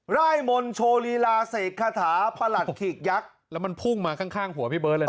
รายมนต์โชลีลาเสกฐาประหลักขิกยักษ์แล้วมันพุ่งมาข้างข้างหัวพี่เบิ้ลเลยนะ